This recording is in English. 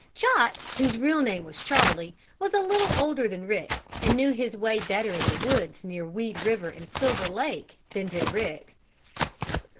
Chot, whose real name was Charlie, was a little older than Rick, and knew his way better in the woods near Weed River and Silver Lake than did Rick.